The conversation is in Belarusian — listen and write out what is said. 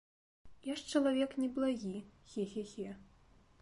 Я ж чалавек неблагі, хе-хе-хе.